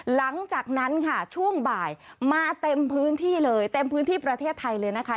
หลังจากนั้นค่ะช่วงบ่ายมาเต็มพื้นที่เลยเต็มพื้นที่ประเทศไทยเลยนะคะ